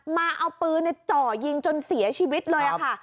มาเอาปืนจ่อยิงจนเสียชีวิตเลยค่ะ